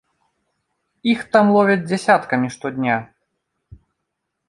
Іх там ловяць дзясяткамі штодня.